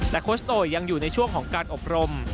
โคชโตยยังอยู่ในช่วงของการอบรม